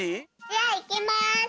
じゃあいきます。